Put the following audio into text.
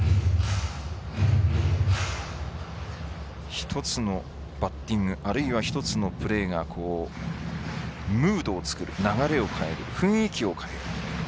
１つのバッティングあるいは１つのプレーがムードを作る流れを変える、雰囲気を変える。